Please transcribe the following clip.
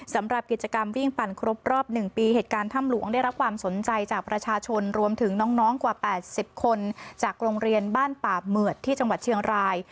สำหรับกิจกรรมวิ่งปั่นครบรอบ๑ปีเหตุการณ์ถ้ำหลวงได้รับความสนใจจากประชาชนรวมถึงน้องกว่า๘๐คนจากโรงเรียนบ้านป่าเหมือดที่จังหวัดเชียงราย